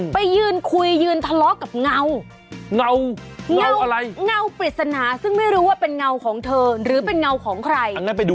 ไปยืนคุยยืนทะเลาะกับเงาเงาเงาอะไรเงาปริศนาซึ่งไม่รู้ว่าเป็นเงาของเธอหรือเป็นเงาของใคร